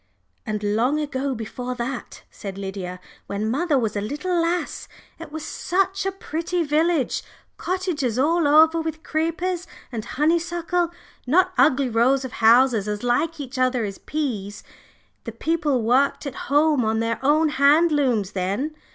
"And long ago before that," said Lydia, "when mother was a little lass, it was such a pretty village cottages all over with creepers and honeysuckle not ugly rows of houses as like each other as peas. The people worked at home on their own hand looms then."